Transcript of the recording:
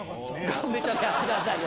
頑張ってやってくださいよ。